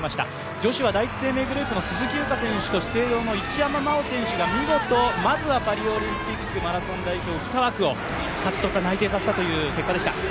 女子は第一生命グループの鈴木優花選手と資生堂の一山麻緒選手がまずはパリオリンピック２枠を勝ち取った内定させたという結果でした。